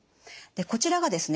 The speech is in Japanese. こちらがですね